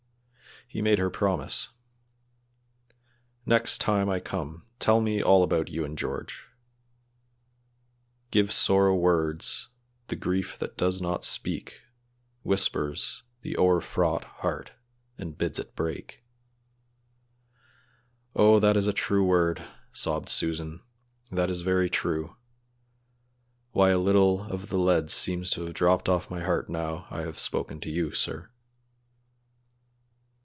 He made her promise: "Next time I come tell me all about you and George. 'Give sorrow words, the grief that does not speak whispers the o'erfraught heart and bids it break.'" "Oh! that is a true word," sobbed Susan, "that is very true. Why a little of the lead seems to have dropped off my heart now I have spoken to you, sir."